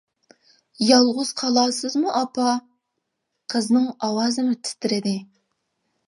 -يالغۇز قالارسىزمۇ ئاپا، قىزنىڭ ئاۋازىمۇ تىترىدى.